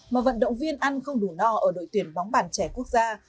mà vận động viên ăn không đủ no ở đội tuyển bóng bàn trẻ quốc gia